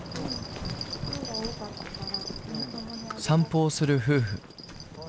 散歩をする夫婦。